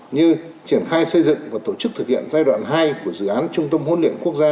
như triển khai xây dựng và tổ chức thực hiện giai đoạn hai của dự án trung tâm huấn luyện quốc gia